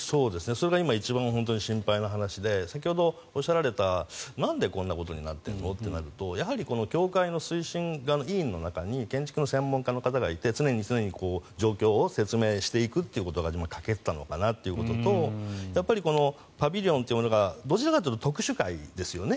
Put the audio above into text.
それが一番心配な話で先ほどおっしゃられたなんでこんなことになっているの？ってことになるとやはり協会の推進側の委員の中に建築の専門家がいて常に状況を説明していくということが欠けていたのかなということとパビリオンというものがどちらかというと特殊解ですよね。